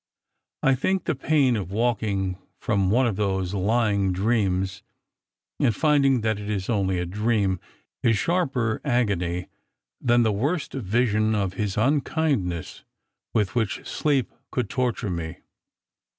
I think the \mu. of waking from one of those lying dreams, and finding that it is only a dream, is sharper agony than the worst vision of his uu kindness with which sleep could torture me.